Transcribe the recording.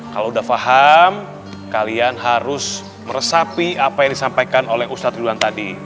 kalau udah paham kalian harus meresapi apa yang disampaikan oleh ustadz ridwan tadi